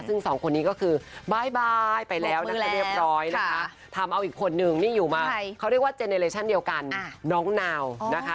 ซึ่งสองคนนี้ก็คือบ๊ายบายไปแล้วนะคะเรียบร้อยนะคะทำเอาอีกคนนึงนี่อยู่มาเขาเรียกว่าเจเนเลชั่นเดียวกันน้องนาวนะคะ